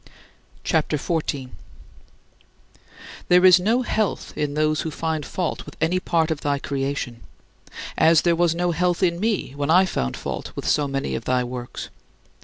CHAPTER XIV 20. There is no health in those who find fault with any part of thy creation; as there was no health in me when I found fault with so many of thy works.